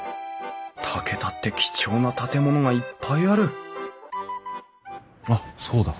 竹田って貴重な建物がいっぱいあるあっそうだ。